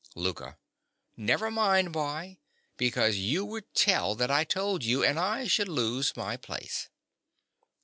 LOUKA. Never mind why. Besides, you would tell that I told you; and I should lose my place.